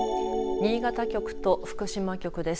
新潟局と福島局です。